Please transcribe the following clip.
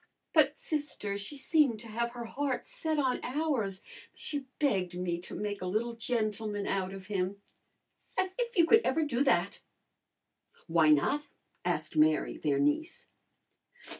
"But, sister, she seemed to have her heart set on ours. She begged me to make a little gentleman out of him." "As if you could ever do that!" "Why not?" asked Mary, their niece.